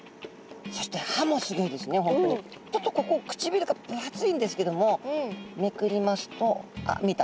そしてちょっとここくちびるが分厚いんですけどもめくりますとあっ見えた。